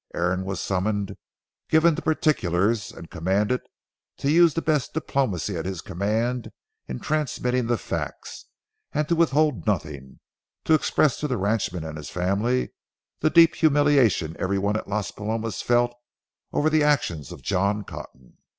Aaron was summoned, given the particulars, and commanded to use the best diplomacy at his command in transmitting the facts, and to withhold nothing; to express to the ranchman and his family the deep humiliation every one at Las Palomas felt over the actions of John Cotton.